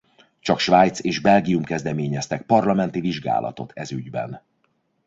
Csak Svájc és Belgium kezdeményeztek parlamenti vizsgálatot ez ügyben.